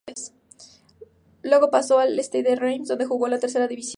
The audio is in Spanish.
Luego pasó al Stade de Reims, donde jugó en la tercera división.